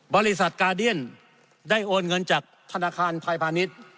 บริษัทกาเดียนได้โอนเงินจากธนาคารพายพาณิชย์